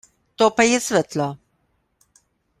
To pa je svetlo!